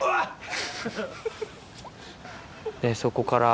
そこから。